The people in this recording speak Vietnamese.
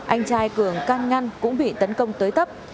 anh trai cường can ngăn cũng bị tấn công tới tấp